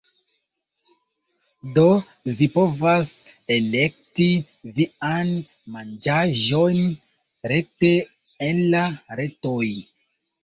Do, vi povas elekti vian manĝaĵon rekte el la retoj